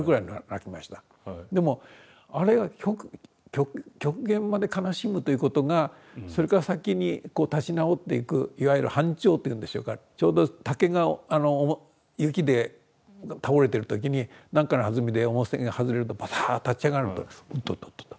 でもあれは極限まで悲しむということがそれから先にこう立ち直っていくいわゆる反跳というんでしょうかちょうど竹が雪で倒れてる時に何かのはずみでおもしが外れるとバサーッと立ち上がるとおっとっとっとっと。